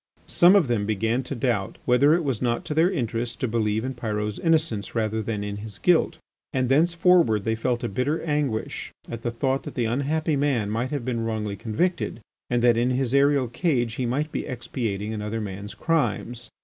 Some of them began to doubt whether it was not to their interest to believe in Pyrot's innocence rather than in his guilt, and thenceforward they felt a bitter anguish at the thought that the unhappy man might have been wrongly convicted and that in his aerial cage he might be expiating another man's crimes.